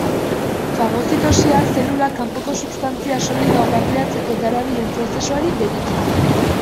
Fagozitosia, zelulak kanpoko substantzia solidoak barneratzeko darabilen prozesuari deritzo.